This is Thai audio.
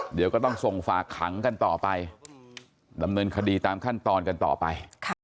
เดี๋ยวก็ต้องส่งฝากขังกันต่อไปดำเนินคดีตามขั้นตอนกันต่อไป